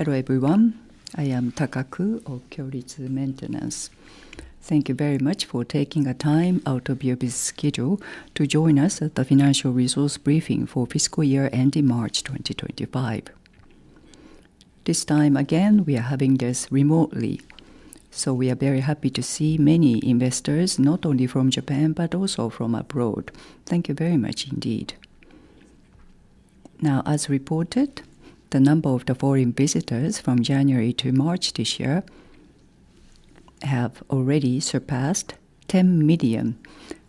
Hello everyone, I am Takaku of Kyoritsu Maintenance. Thank you very much for taking a time out of your busy schedule to join us at the financial results briefing for fiscal year ending March 2025. This time again, we are having this remotely, so we are very happy to see many investors, not only from Japan but also from abroad. Thank you very much indeed. Now, as reported, the number of foreign visitors from January to March this year has already surpassed 10 million,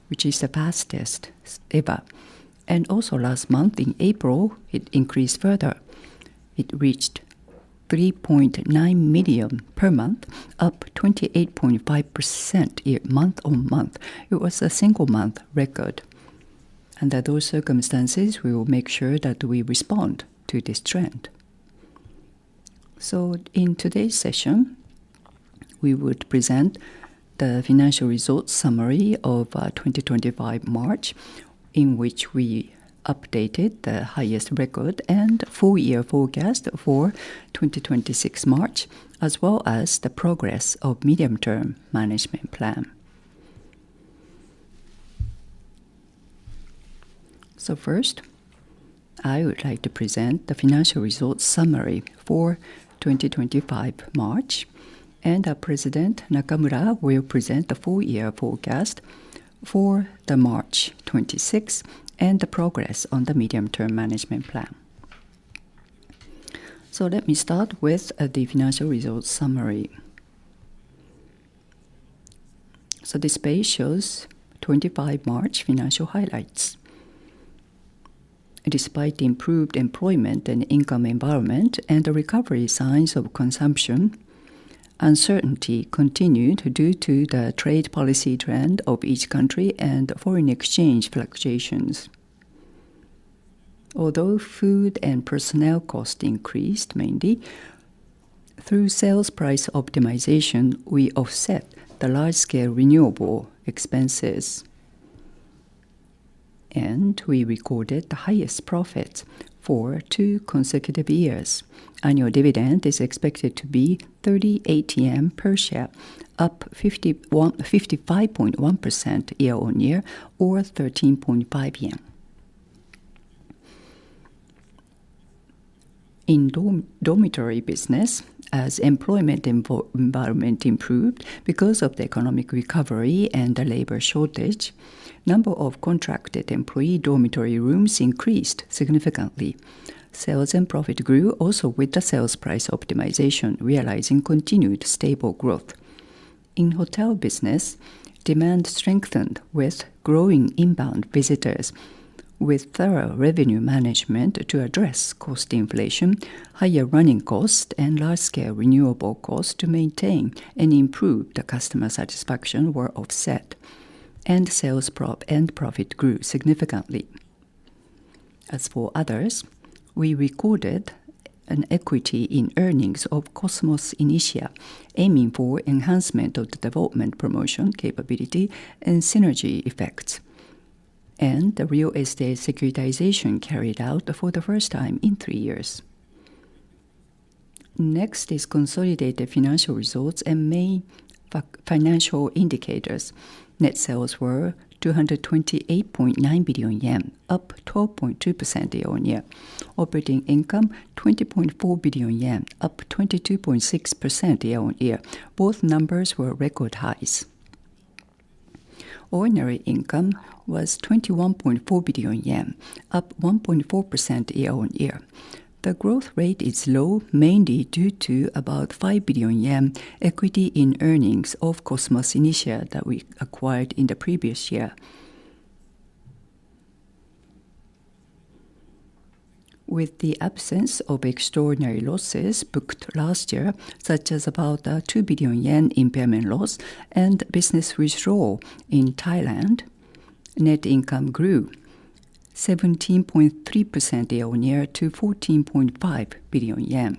which is the fastest ever. Also, last month in April, it increased further. It reached 3.9 million per month, up 28.5% year-on-year. It was a single-month record. Under those circumstances, we will make sure that we respond to this trend. In today's session, we would present the financial results summary of 2025 March, in which we updated the highest record and full-year forecast for 2026 March, as well as the progress of the medium-term management plan. First, I would like to present the financial results summary for 2025 March, and President Nakamura will present the full-year forecast for March 2026 and the progress on the medium-term management plan. Let me start with the financial results summary. This page shows 2025 March financial highlights. Despite improved employment and income environment and recovery signs of consumption, uncertainty continued due to the trade policy trend of each country and foreign exchange fluctuations. Although food and personnel costs increased mainly through sales price optimization, we offset the large-scale renewable expenses, and we recorded the highest profits for two consecutive years. Annual dividend is expected to be 38 per share, up 55.1% year-on-year or JPY 13.5. In dormitory business, as employment environment improved because of the economic recovery and the labor shortage, the number of contracted employee dormitory rooms increased significantly. Sales and profit grew also with the sales price optimization, realizing continued stable growth. In hotel business, demand strengthened with growing inbound visitors, with thorough revenue management to address cost inflation, higher running costs, and large-scale renewable costs to maintain and improve customer satisfaction were offset, and sales and profit grew significantly. As for others, we recorded an equity in earnings of Cosmos Initia, aiming for enhancement of the development promotion capability and synergy effects, and the real estate securitization carried out for the first time in three years. Next is consolidated financial results and main financial indicators. Net sales were 228.9 billion yen, up 12.2% year-on-year. Operating income 20.4 billion yen, up 22.6% year-on-year. Both numbers were record highs. Ordinary income was 21.4 billion yen, up 1.4% year-on-year. The growth rate is low mainly due to about 5 billion yen equity in earnings of Cosmos Initia that we acquired in the previous year. With the absence of extraordinary losses booked last year, such as about 2 billion yen impairment loss and business withdrawal in Thailand, net income grew 17.3% year-on-year to 14.5 billion yen.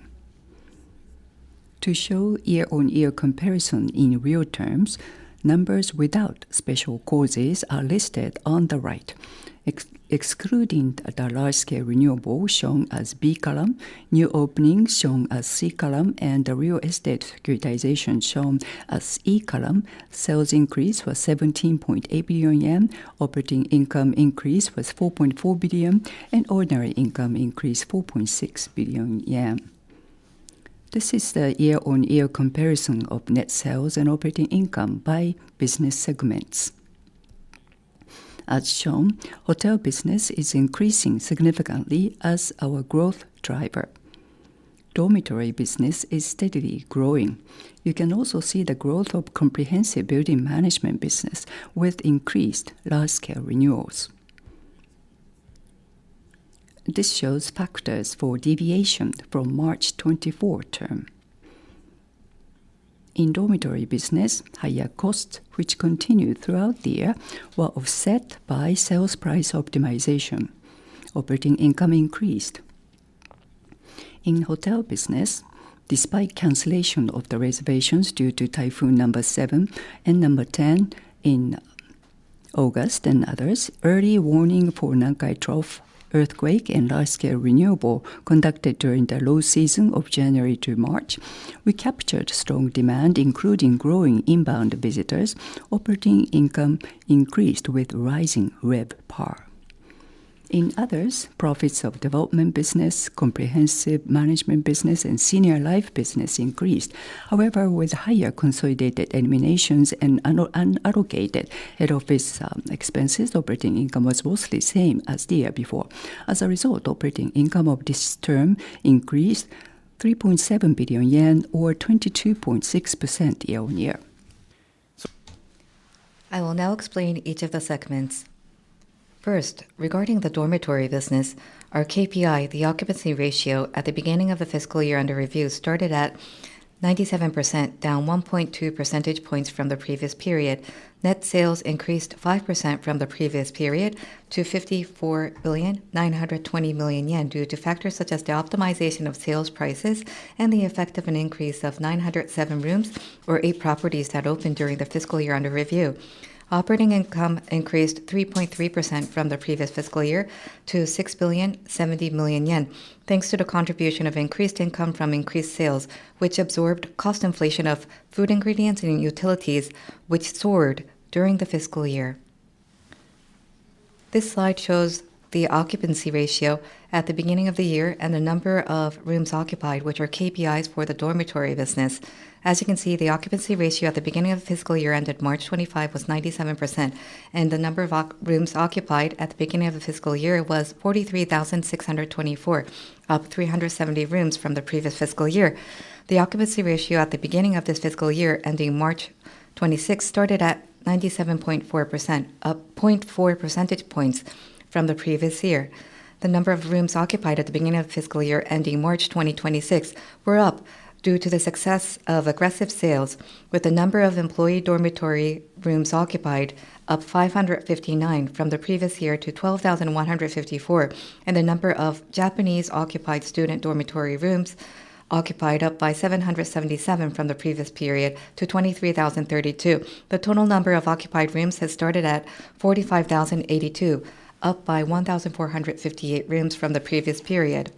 To show year-on-year comparison in real terms, numbers without special clauses are listed on the right. Excluding the large-scale renewable shown as B column, new openings shown as C column, and the real estate securitization shown as E column, sales increased for 17.8 billion yen, operating income increased for 4.4 billion, and ordinary income increased 4.6 billion yen. This is the year-on-year comparison of net sales and operating income by business segments. As shown, hotel business is increasing significantly as our growth driver. Dormitory business is steadily growing. You can also see the growth of comprehensive building management business with increased large-scale renewals. This shows factors for deviation from March 2024 term. In dormitory business, higher costs, which continued throughout the year, were offset by sales price optimization. Operating income increased. In hotel business, despite cancellation of the reservations due to Typhoon No. 7 and No. 10 in August and others, early warning for Nankai Trough earthquake and large-scale renewal conducted during the low season of January to March, we captured strong demand, including growing inbound visitors. Operating income increased with rising RevPAR. In others, profits of development business, comprehensive management business, and senior life business increased. However, with higher consolidated eliminations and unallocated head office expenses, operating income was mostly the same as the year before. As a result, operating income of this term increased 3.7 billion yen or 22.6% year-on-year. I will now explain each of the segments. First, regarding the dormitory business, our KPI, the occupancy ratio, at the beginning of the fiscal year under review started at 97%, down 1.2% points from the previous period. Net sales increased 5% from the previous period to 54.92 billion due to factors such as the optimization of sales prices and the effect of an increase of 907 rooms or 8 properties that opened during the fiscal year under review. Operating income increased 3.3% from the previous fiscal year to 6.07 billion thanks to the contribution of increased income from increased sales, which absorbed cost inflation of food ingredients and utilities, which soared during the fiscal year. This slide shows the occupancy ratio at the beginning of the year and the number of rooms occupied, which are KPIs for the dormitory business. As you can see, the occupancy ratio at the beginning of the fiscal year ended March 2025 was 97%, and the number of rooms occupied at the beginning of the fiscal year was 43,624, up 370 rooms from the previous fiscal year. The occupancy ratio at the beginning of this fiscal year ending March 2026 started at 97.4%, up 0.4% points from the previous year. The number of rooms occupied at the beginning of the fiscal year ending March 2026 were up due to the success of aggressive sales, with the number of employee dormitory rooms occupied up 559 from the previous year to 12,154, and the number of Japanese-occupied student dormitory rooms occupied up by 777 from the previous period to 23,032. The total number of occupied rooms has started at 45,082, up by 1,458 rooms from the previous period.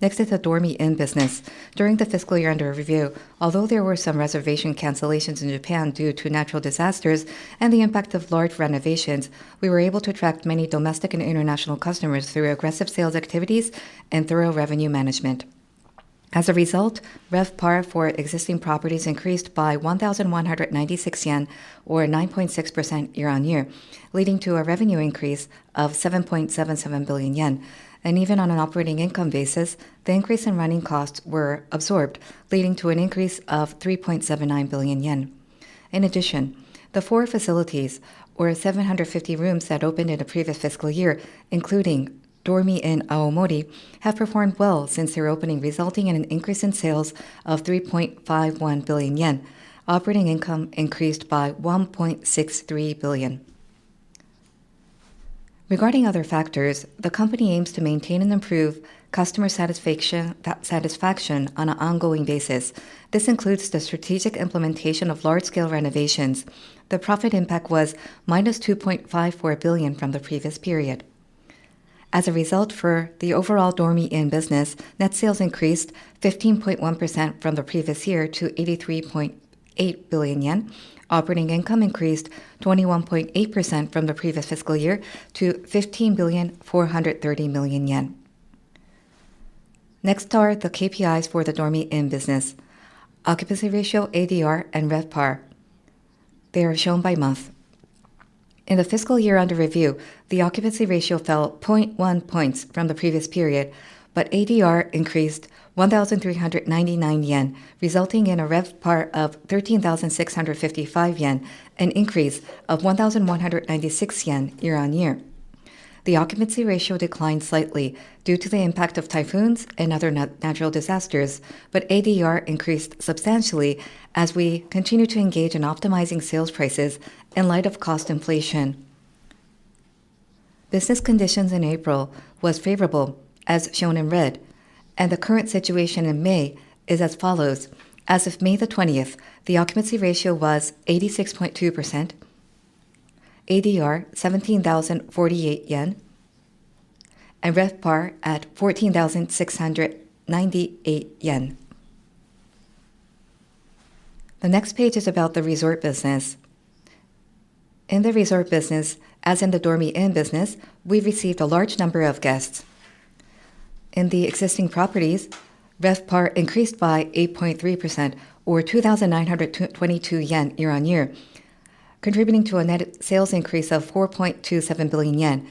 Next is the Dormy Inn business. During the fiscal year under review, although there were some reservation cancellations in Japan due to natural disasters and the impact of large renovations, we were able to attract many domestic and international customers through aggressive sales activities and thorough revenue management. As a result, RevPAR for existing properties increased by 1,196 yen or 9.6% year-on-year, leading to a revenue increase of 7.77 billion yen. Even on an operating income basis, the increase in running costs were absorbed, leading to an increase of 3.79 billion yen. In addition, the four facilities, or 750 rooms that opened in the previous fiscal year, including Dormy Inn Aomori, have performed well since their opening, resulting in an increase in sales of 3.51 billion yen. Operating income increased by 1.63 billion. Regarding other factors, the company aims to maintain and improve customer satisfaction on an ongoing basis. This includes the strategic implementation of large-scale renovations. The profit impact was -2.54 billion from the previous period. As a result, for the overall Dormy Inn business, net sales increased 15.1% from the previous year to 83.8 billion yen. Operating income increased 21.8% from the previous fiscal year to 15.43 billion yen. Next are the KPIs for the Dormy Inn business: occupancy ratio, ADR, and RevPAR. They are shown by month. In the fiscal year under review, the occupancy ratio fell 0.1% points from the previous period, but ADR increased 1,399 yen, resulting in a RevPAR of 13,655 yen, an increase of 1,196 yen year-on-year. The occupancy ratio declined slightly due to the impact of typhoons and other natural disasters, but ADR increased substantially as we continue to engage in optimizing sales prices in light of cost inflation. Business conditions in April were favorable, as shown in red, and the current situation in May is as follows: as of May 20, the occupancy ratio was 86.2%, ADR 17,048 yen, and RevPAR at 14,698 yen. The next page is about the resort business. In the resort business, as in the Dormy Inn business, we received a large number of guests. In the existing properties, RevPAR increased by 8.3%, or 2,922 yen year-on-year, contributing to a net sales increase of 4.27 billion yen.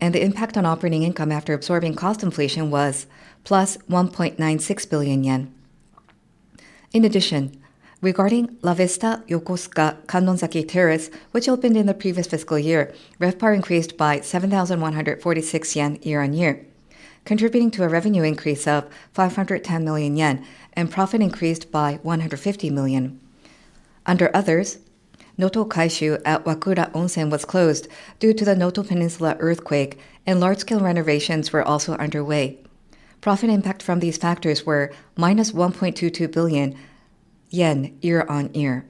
The impact on operating income after absorbing cost inflation was +1.96 billion yen. In addition, regarding La Vista Yokosuka Kannonzaki Terrace, which opened in the previous fiscal year, RevPAR increased by 7,146 yen year-on-year, contributing to a revenue increase of 510 million yen and profit increased by 150 million. Under others, Noto Kaishu at Wakura Onsen was closed due to the Noto Peninsula earthquake, and large-scale renovations were also underway. Profit impact from these factors were minus 1.22 billion yen year-on-year.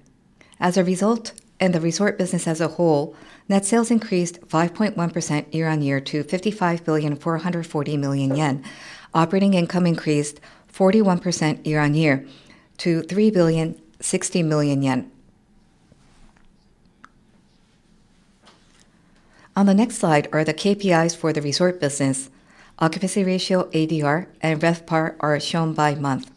As a result, in the resort business as a whole, net sales increased 5.1% year-on-year to 55.44 billion. Operating income increased 41% year-on-year to 3.06 billion. On the next slide are the KPIs for the resort business. Occupancy ratio, ADR, and RevPAR are shown by month.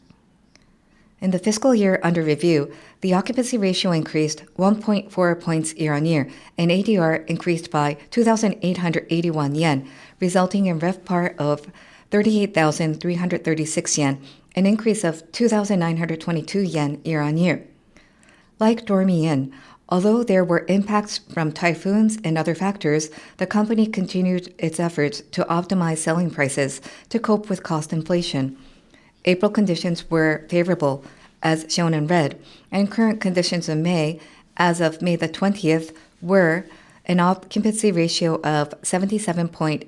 In the fiscal year under review, the occupancy ratio increased 1.4% points year-on-year, and ADR increased by 2,881 yen, resulting in RevPAR of 38,336 yen, an increase of 2,922 yen year-on-year. Like Dormy Inn, although there were impacts from typhoons and other factors, the company continued its efforts to optimize selling prices to cope with cost inflation. April conditions were favorable, as shown in red, and current conditions in May, as of May 20, were an occupancy ratio of 77.8%,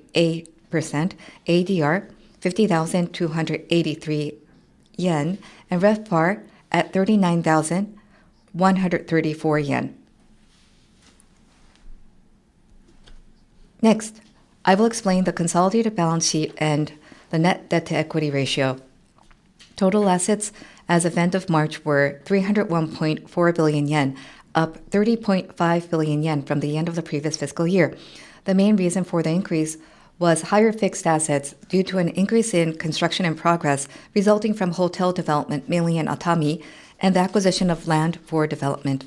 ADR JPY 50,283, and RevPAR at 39,134 yen. Next, I will explain the consolidated balance sheet and the net debt to equity ratio. Total assets as of end of March were 301.4 billion yen, up 30.5 billion yen from the end of the previous fiscal year. The main reason for the increase was higher fixed assets due to an increase in construction in progress resulting from hotel development, mainly in Atami, and the acquisition of land for development.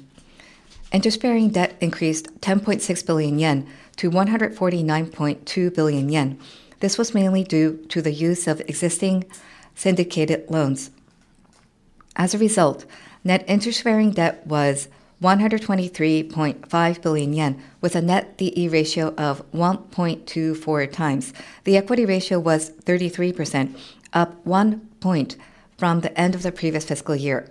Interest-bearing debt increased 10.6 billion yen to 149.2 billion yen. This was mainly due to the use of existing syndicated loans. As a result, net interest-bearing debt was 123.5 billion yen, with a net D/E ratio of 1.24 times. The equity ratio was 33%, up 1% point from the end of the previous fiscal year.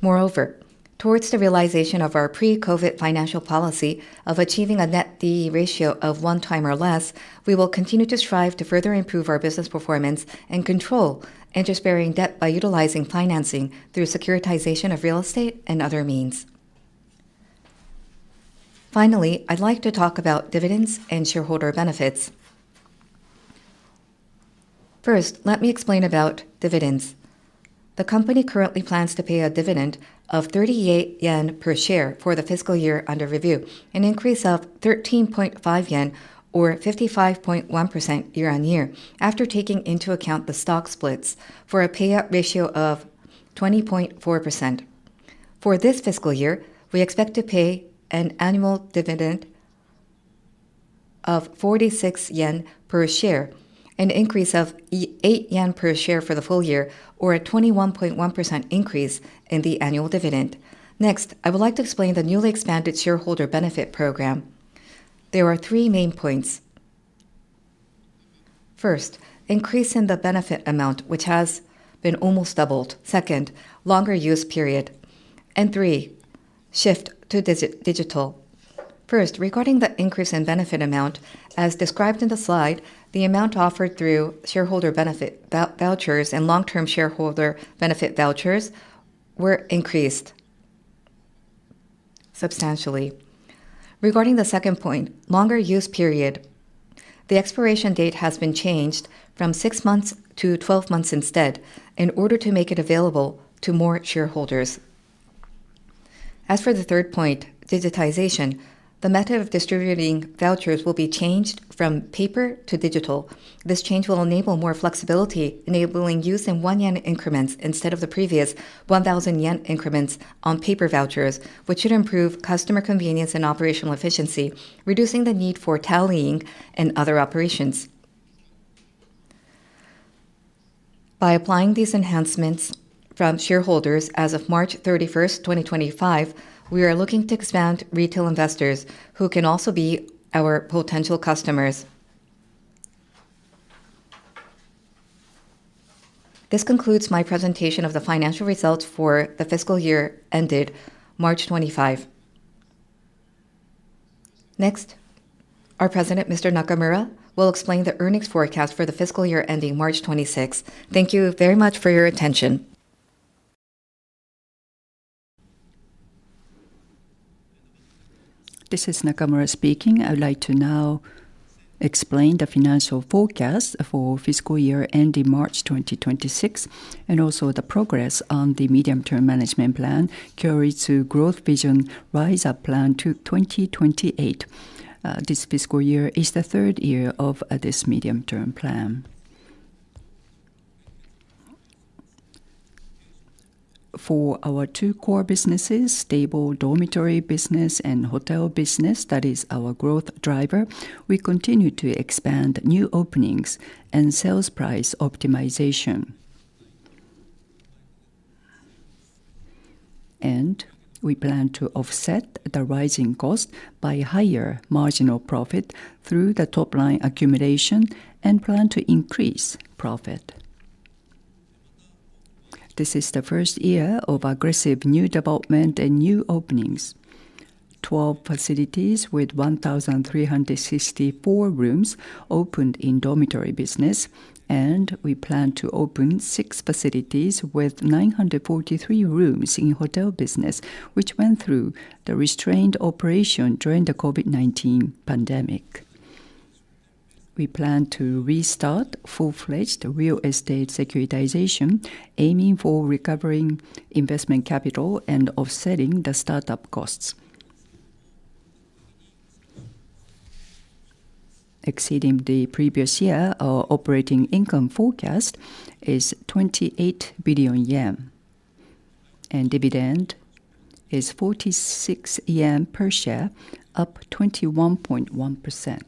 Moreover, towards the realization of our pre-COVID financial policy of achieving a net D/E ratio of 1.0 times or less, we will continue to strive to further improve our business performance and control interest-bearing debt by utilizing financing through securitization of real estate and other means. Finally, I'd like to talk about dividends and shareholder benefits. First, let me explain about dividends. The company currently plans to pay a dividend of 38 yen per share for the fiscal year under review, an increase of 13.5 yen or 55.1% year-on-year after taking into account the stock splits for a payout ratio of 20.4%. For this fiscal year, we expect to pay an annual dividend of 46 yen per share, an increase of 8 yen per share for the full year, or a 21.1% increase in the annual dividend. Next, I would like to explain the newly expanded shareholder benefit program. There are three main points. First, increase in the benefit amount, which has been almost doubled. Second, longer use period. And three, shift to digital. First, regarding the increase in benefit amount, as described in the slide, the amount offered through shareholder benefit vouchers and long-term shareholder benefit vouchers were increased substantially. Regarding the second point, longer use period, the expiration date has been changed from 6-12 months instead in order to make it available to more shareholders. As for the third point, digitization, the method of distributing vouchers will be changed from paper to digital. This change will enable more flexibility, enabling use in one-yen increments instead of the previous 1,000 yen increments on paper vouchers, which should improve customer convenience and operational efficiency, reducing the need for tallying and other operations. By applying these enhancements from shareholders as of March 31, 2025, we are looking to expand retail investors who can also be our potential customers. This concludes my presentation of the financial results for the fiscal year ended March 2025. Next, our President, Mr. Nakamura, will explain the earnings forecast for the fiscal year ending March 2026. Thank you very much for your attention. This is Nakamura speaking. I would like to now explain the financial forecast for fiscal year ending March 2026 and also the progress on the medium-term management plan, Kyoritsu Growth Vision Rise-Up Plan 2028. This fiscal year is the third year of this medium-term plan. For our two core businesses, stable dormitory business and hotel business, that is our growth driver, we continue to expand new openings and sales price optimization. We plan to offset the rising cost by higher marginal profit through the top-line accumulation and plan to increase profit. This is the first year of aggressive new development and new openings. Twelve facilities with 1,364 rooms opened in dormitory business, and we plan to open six facilities with 943 rooms in hotel business, which went through the restrained operation during the COVID-19 pandemic. We plan to restart full-fledged real estate securitization, aiming for recovering investment capital and offsetting the startup costs. Exceeding the previous year, our operating income forecast is 28 billion yen, and dividend is 46 yen per share, up 21.1%.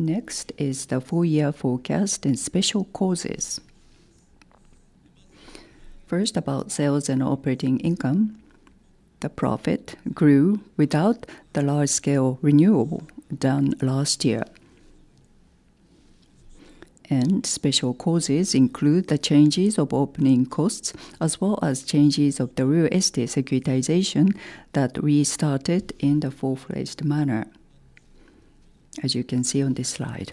Next is the four-year forecast and special causes. First, about sales and operating income, the profit grew without the large-scale renewal done last year. Special causes include the changes of opening costs as well as changes of the real estate securitization that we started in the full-fledged manner, as you can see on this slide.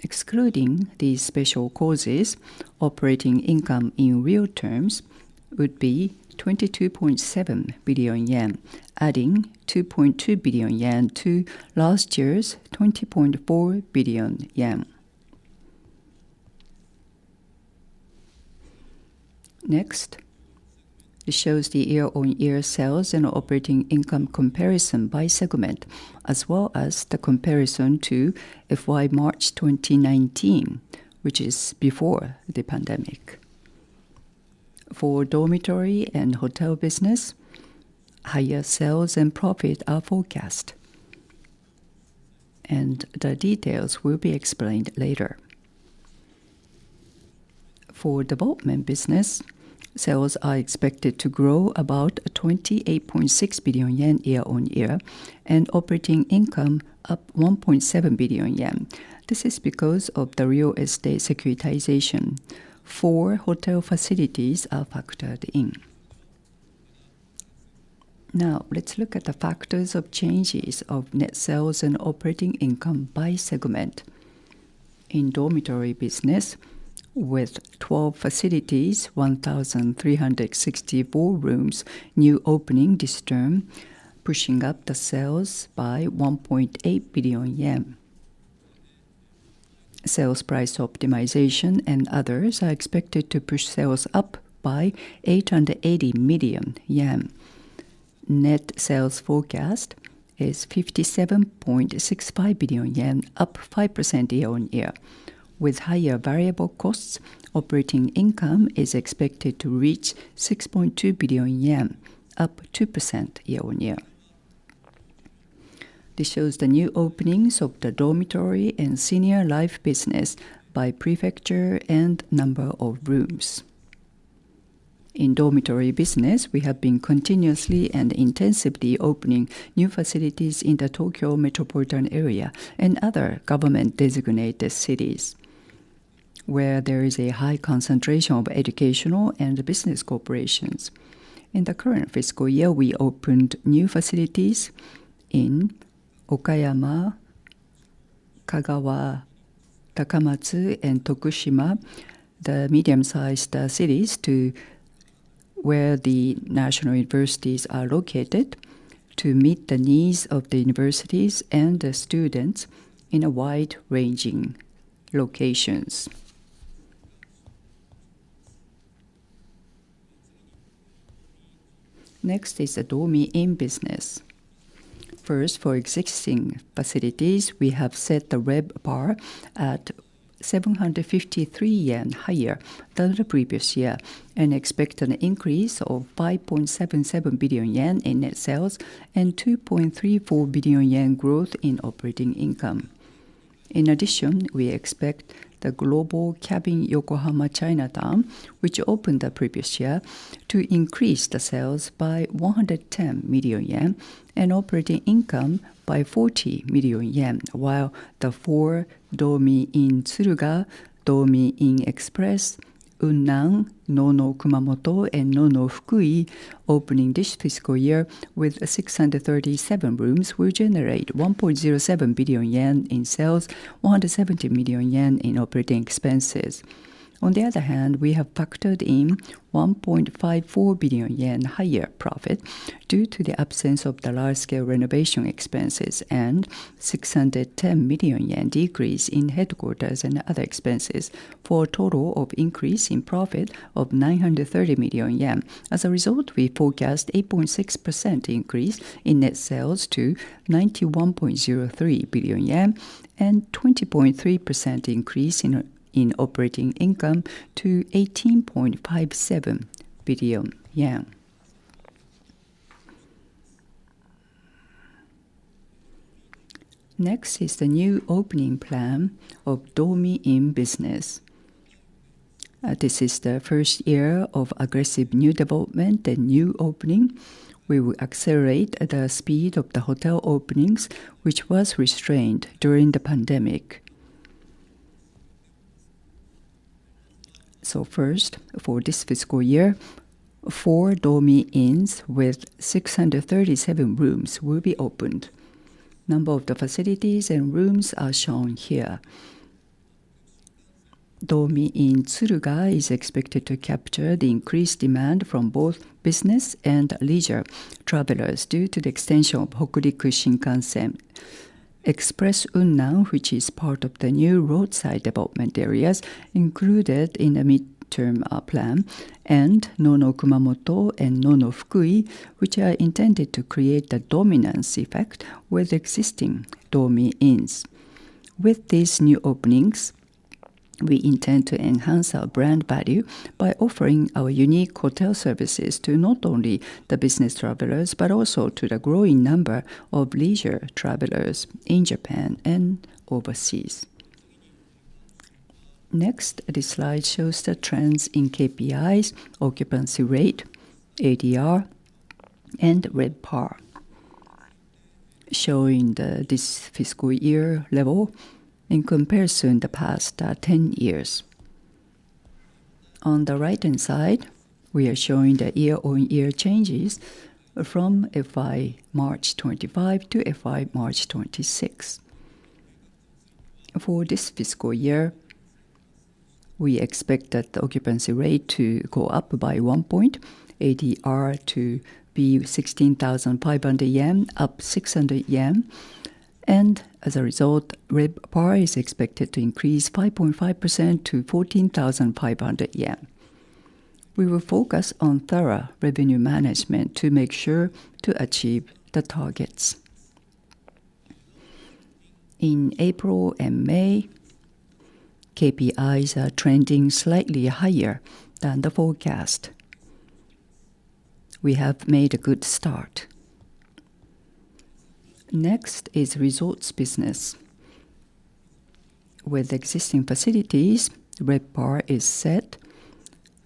Excluding these special causes, operating income in real terms would be 22.7 billion yen, adding 2.2 billion yen to last year's 20.4 billion yen. Next, it shows the year-on-year sales and operating income comparison by segment, as well as the comparison to FY March 2019, which is before the pandemic. For dormitory and hotel business, higher sales and profit are forecast, and the details will be explained later. For development business, sales are expected to grow about 28.6 billion yen year-on-year and operating income up 1.7 billion yen. This is because of the real estate securitization. Four hotel facilities are factored in. Now, let's look at the factors of changes of net sales and operating income by segment. In dormitory business, with 12 facilities, 1,364 rooms new opening this term, pushing up the sales by 1.8 billion yen. Sales price optimization and others are expected to push sales up by 880 million yen. Net sales forecast is 57.65 billion yen, up 5% year-on-year. With higher variable costs, operating income is expected to reach 6.2 billion yen, up 2% year-on-year. This shows the new openings of the dormitory and senior life business by prefecture and number of rooms. In dormitory business, we have been continuously and intensively opening new facilities in the Tokyo Metropolitan Area and other government-designated cities, where there is a high concentration of educational and business corporations. In the current fiscal year, we opened new facilities in Okayama, Kagawa, Takamatsu, and Tokushima, the medium-sized cities where the national universities are located, to meet the needs of the universities and the students in a wide-ranging locations. Next is the Dormy Inn business. First, for existing facilities, we have set the RevPAR at 753 yen higher than the previous year and expect an increase of 5.77 billion yen in net sales and 2.34 billion yen growth in operating income. In addition, we expect the Global Cabin Yokohama Chinatown, which opened the previous year, to increase the sales by 110 million yen and operating income by 40 million yen, while the four Dormy Inn Tsuruga, Dormy Inn Express Unnan, Nono-Kumamoto, and Nono-Fukui opening this fiscal year with 637 rooms will generate 1.07 billion yen in sales, 170 million yen in operating expenses. On the other hand, we have factored in 1.54 billion yen higher profit due to the absence of the large-scale renovation expenses and 610 million yen decrease in headquarters and other expenses, for a total of increase in profit of 930 million yen. As a result, we forecast an 8.6% increase in net sales to 91.03 billion yen and a 20.3% increase in operating income to 18.57 billion yen. Next is the new opening plan of Dormy Inn business. This is the first year of aggressive new development and new opening. We will accelerate the speed of the hotel openings, which was restrained during the pandemic. First, for this fiscal year, four Dormy Inns with 637 rooms will be opened. Number of the facilities and rooms are shown here. Dormy Inn Tsuruga is expected to capture the increased demand from both business and leisure travelers due to the extension of Hokuriku Shinkansen. Express Unnan, which is part of the new roadside development areas included in the midterm plan, and Nono-Kumamoto and Nono-Fukui, which are intended to create a dominance effect with existing Dormy Inns. With these new openings, we intend to enhance our brand value by offering our unique hotel services to not only the business travelers but also to the growing number of leisure travelers in Japan and overseas. Next, this slide shows the trends in KPIs, occupancy rate, ADR, and RevPAR, showing this fiscal year level in comparison to the past 10 years. On the right-hand side, we are showing the year-on-year changes from FY March 2025 to FY March 2026. For this fiscal year, we expect that the occupancy rate to go up by 1 % point, ADR to be 16,500 yen, up 600 yen, and as a result, RevPAR is expected to increase 5.5% to 14,500 yen. We will focus on thorough revenue management to make sure to achieve the targets. In April and May, KPIs are trending slightly higher than the forecast. We have made a good start. Next is resorts business. With existing facilities, RevPAR is set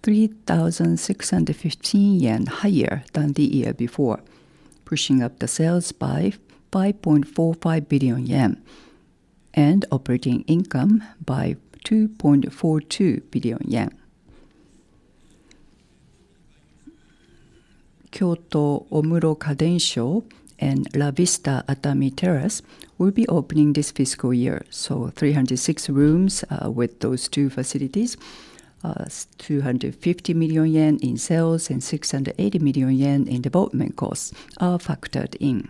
3,615 yen higher than the year before, pushing up the sales by 5.45 billion yen and operating income by 2.42 billion yen. Kyoto Omuro Kaden Sho and La Vista Atami Terrace will be opening this fiscal year, so 306 rooms with those two facilities, 250 million yen in sales and 680 million yen in development costs are factored in.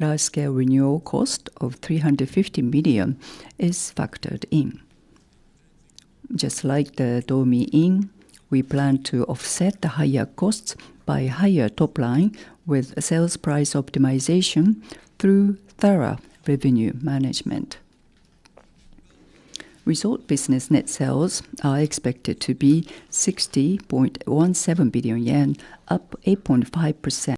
Large-scale renewal cost of 350 million is factored in. Just like the Dormy Inn, we plan to offset the higher costs by higher top-line with sales price optimization through thorough revenue management. Resort business net sales are expected to be 60.17 billion yen, up 8.5%,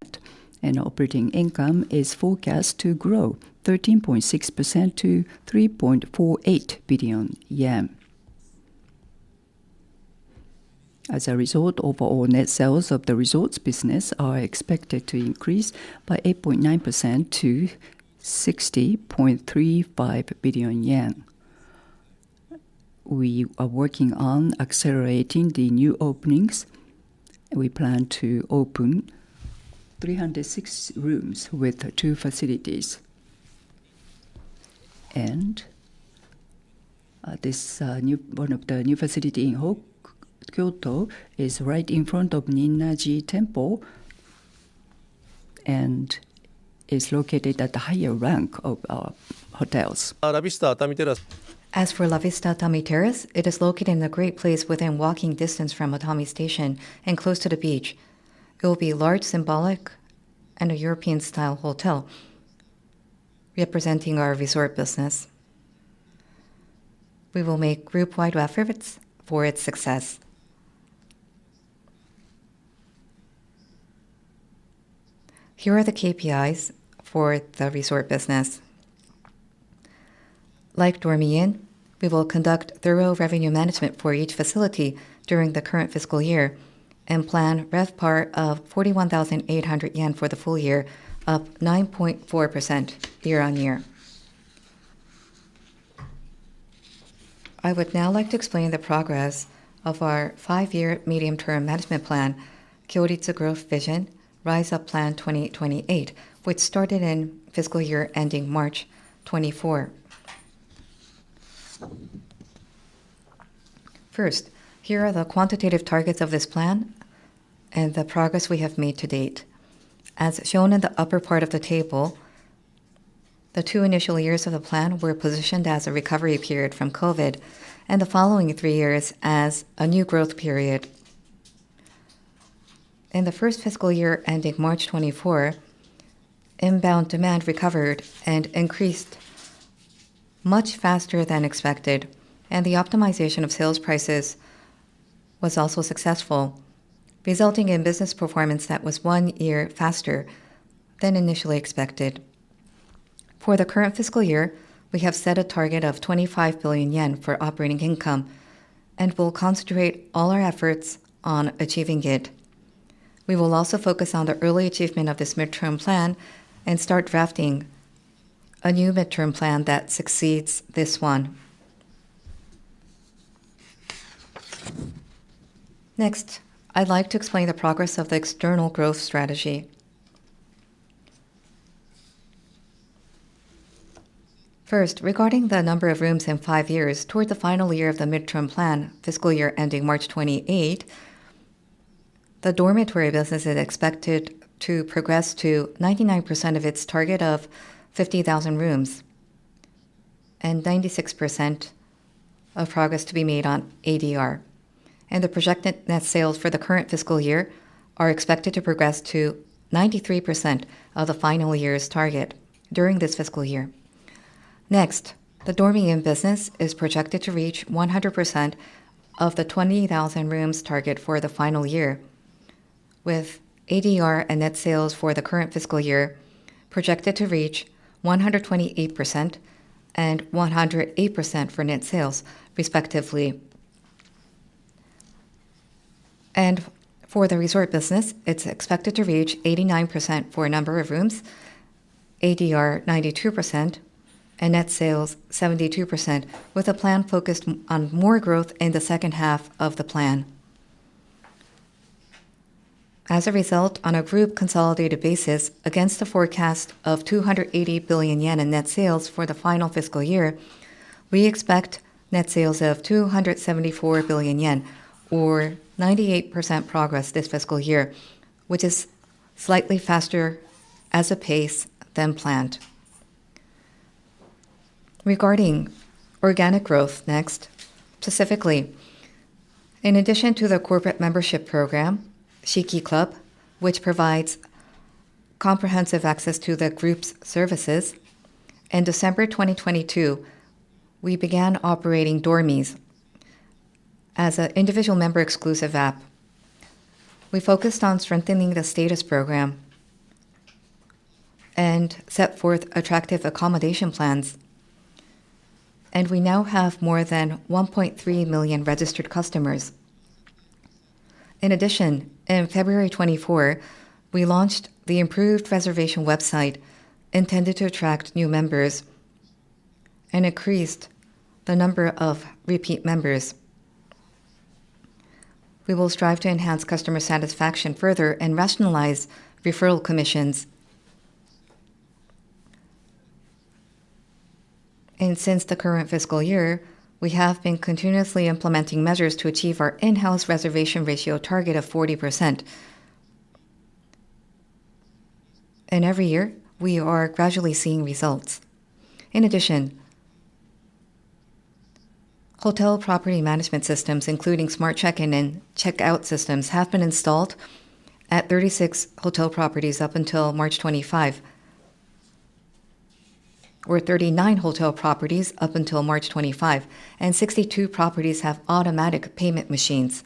and operating income is forecast to grow 13.6% to JPY 3.48 billion. As a result, overall net sales of the resorts business are expected to increase by 8.9% to 60.35 billion yen. We are working on accelerating the new openings. We plan to open 306 rooms with two facilities. This new facility in Kyoto is right in front of Ninna-ji Temple and is located at the higher rank of our hotels. As for La Vista Atami Terrace, it is located in a great place within walking distance from Atami Station and close to the beach. It will be a large symbolic and a European-style hotel representing our resort business. We will make group-wide efforts for its success. Here are the KPIs for the resort business. Like Dormy Inn, we will conduct thorough revenue management for each facility during the current fiscal year and plan RevPAR of 41,800 yen for the full year, up 9.4% year-on-year. I would now like to explain the progress of our five-year medium-term management plan, Kyoritsu Growth Vision Rise-Up Plan 2028, which started in fiscal year ending March 2024. First, here are the quantitative targets of this plan and the progress we have made to date. As shown in the upper part of the table, the two initial years of the plan were positioned as a recovery period from COVID and the following three years as a new growth period. In the first fiscal year ending March 2024, inbound demand recovered and increased much faster than expected, and the optimization of sales prices was also successful, resulting in business performance that was one year faster than initially expected. For the current fiscal year, we have set a target of 25 billion yen for operating income and will concentrate all our efforts on achieving it. We will also focus on the early achievement of this midterm plan and start drafting a new midterm plan that succeeds this one. Next, I'd like to explain the progress of the external growth strategy. First, regarding the number of rooms in five years, toward the final year of the midterm plan, fiscal year ending March 2028, the dormitory business is expected to progress to 99% of its target of 50,000 rooms and 96% of progress to be made on ADR. The projected net sales for the current fiscal year are expected to progress to 93% of the final year's target during this fiscal year. Next, the Dormy Inn business is projected to reach 100% of the 20,000 rooms target for the final year, with ADR and net sales for the current fiscal year projected to reach 128% and 108% for net sales, respectively. For the resort business, it is expected to reach 89% for number of rooms, ADR 92%, and net sales 72%, with a plan focused on more growth in the second half of the plan. As a result, on a group consolidated basis, against the forecast of 280 billion yen in net sales for the final fiscal year, we expect net sales of 274 billion yen, or 98% progress this fiscal year, which is slightly faster as a pace than planned. Regarding organic growth next, specifically, in addition to the corporate membership program, Shiki Club, which provides comprehensive access to the group's services, in December 2022, we began operating dormies as an individual member exclusive app. We focused on strengthening the status program and set forth attractive accommodation plans, and we now have more than 1.3 million registered customers. In addition, in February 2024, we launched the improved reservation website intended to attract new members and increased the number of repeat members. We will strive to enhance customer satisfaction further and rationalize referral commissions. Since the current fiscal year, we have been continuously implementing measures to achieve our in-house reservation ratio target of 40%. Every year, we are gradually seeing results. In addition, hotel property management systems, including smart check-in and check-out systems, have been installed at 36 hotel properties up until March 2025, or 39 hotel properties up until March 2025, and 62 properties have automatic payment machines.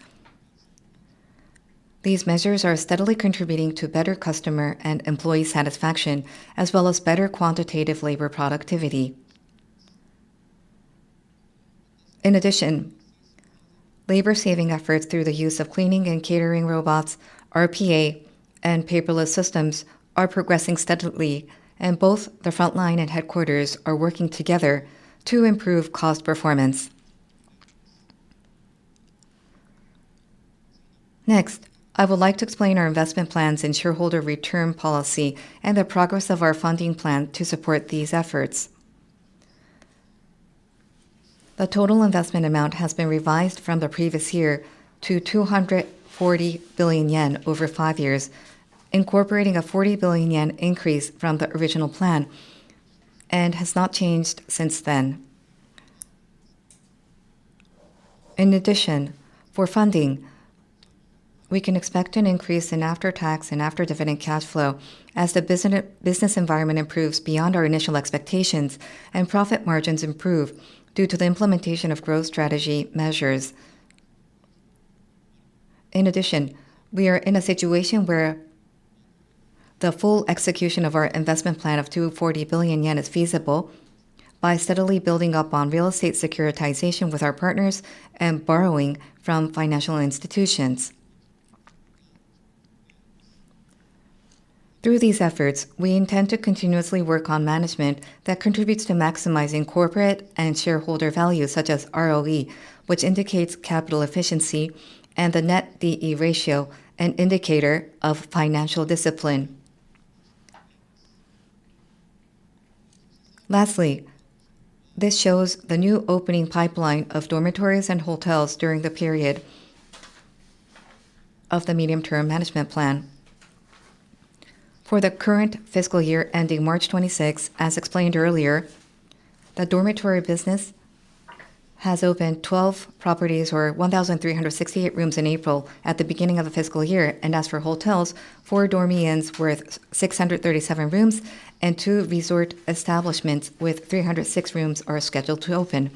These measures are steadily contributing to better customer and employee satisfaction, as well as better quantitative labor productivity. In addition, labor-saving efforts through the use of cleaning and catering robots, RPA, and paperless systems are progressing steadily, and both the frontline and headquarters are working together to improve cost performance. Next, I would like to explain our investment plans and shareholder return policy and the progress of our funding plan to support these efforts. The total investment amount has been revised from the previous year to 240 billion yen over five years, incorporating a 40 billion yen increase from the original plan and has not changed since then. In addition, for funding, we can expect an increase in after-tax and after-dividend cash flow as the business environment improves beyond our initial expectations and profit margins improve due to the implementation of growth strategy measures. In addition, we are in a situation where the full execution of our investment plan of 240 billion yen is feasible by steadily building up on real estate securitization with our partners and borrowing from financial institutions. Through these efforts, we intend to continuously work on management that contributes to maximizing corporate and shareholder value, such as ROE, which indicates capital efficiency, and the net D/E ratio, an indicator of financial discipline. Lastly, this shows the new opening pipeline of dormitories and hotels during the period of the medium-term management plan. For the current fiscal year ending March 2026, as explained earlier, the dormitory business has opened 12 properties or 1,368 rooms in April at the beginning of the fiscal year, and as for hotels, four Dormy Inn properties with 637 rooms and two resort establishments with 306 rooms are scheduled to open.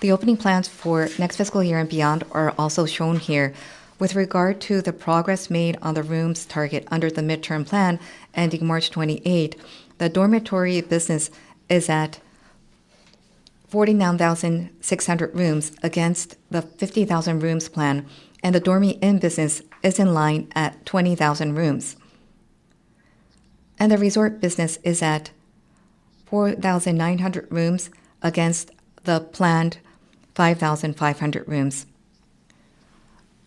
The opening plans for next fiscal year and beyond are also shown here. With regard to the progress made on the rooms target under the midterm plan ending March 2028, the dormitory business is at 49,600 rooms against the 50,000 rooms plan, and the Dormy Inn business is in line at 20,000 rooms. The resort business is at 4,900 rooms against the planned 5,500 rooms.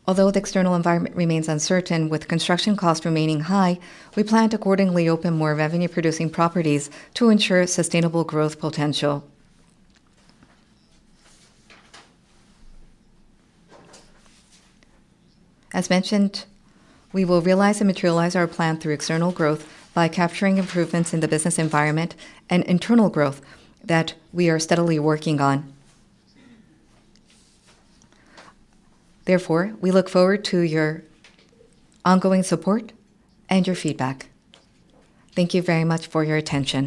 Although the external environment remains uncertain with construction costs remaining high, we plan to accordingly open more revenue-producing properties to ensure sustainable growth potential. As mentioned, we will realize and materialize our plan through external growth by capturing improvements in the business environment and internal growth that we are steadily working on. Therefore, we look forward to your ongoing support and your feedback. Thank you very much for your attention.